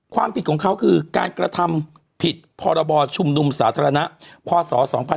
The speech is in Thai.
ความผิดของเขาคือการกระทำผิดพรบชุมนุมสาธารณะพศ๒๕๖๒